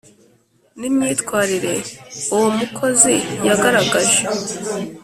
ni myitwarire uwo umukozi yagaragaje